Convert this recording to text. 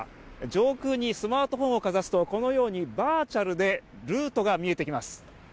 上空にスマートフォンをかざすとこのようにバーチャルでルートが見えてきます。